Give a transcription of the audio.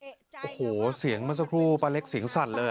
โอ้โหเสียงเมื่อสักครู่ป้าเล็กเสียงสั่นเลย